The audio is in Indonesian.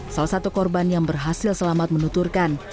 salah satu korban yang berhasil selamat menuturkan